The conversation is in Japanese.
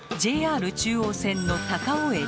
ＪＲ中央線の高尾駅。